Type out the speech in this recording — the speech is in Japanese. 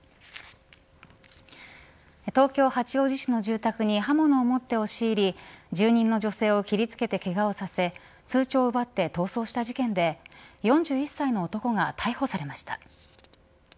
東京・八王子市の住宅に刃物を持って押し入り住人の女性を切り付けてけがをさせ通帳を奪って逃走した事件で４１歳の男が逮捕されました。